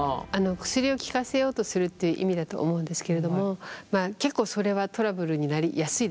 薬を効かせようとするっていう意味だと思うんですけれどもまあ結構それはトラブルになりやすいですね。